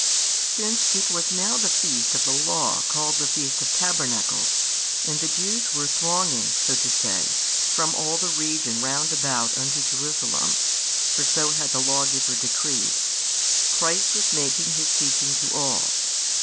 Since it was now the feast of the Law called the feast of tabernacles, and the Jews were thronging, so to say, from all the region round about unto Jerusalem (for so had the Lawgiver decreed), Christ was making His teaching to all.